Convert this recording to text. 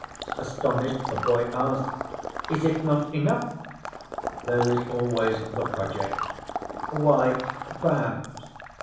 Astonished, the boy asked: "Is it not enough?" There is always The Project. "Why, perhaps."